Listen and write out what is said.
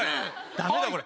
ダメだこれ。